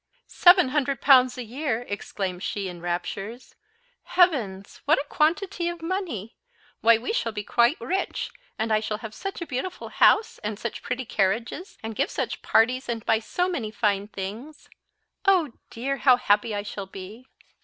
"Seven hundred pounds a year!" exclaimed she, in raptures: "Heavens! what a quantity of money! why, we shall be quite rich, and I shall have such a beautiful house, and such pretty carriages, and give such parties, and buy so many fine things. Oh dear, how happy I shall be!"